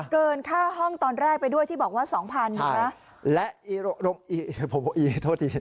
เกินค่าห้องตอนแรกไปด้วยที่บอกว่า๒๐๐๐บาท